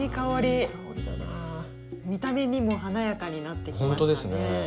見た目にも華やかになってきましたね。